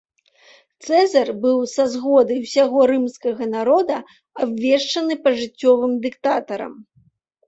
Цэзар быў са згоды ўсяго рымскага народа абвешчаны пажыццёвым дыктатарам.